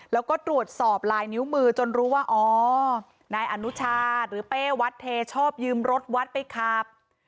แล้วก็ตรวจสอบลายนิ้วมือจนรู้ว่าอ๋อนายอนุชาหรือเป้วัดเทชอบยืมรถวัดไปขับ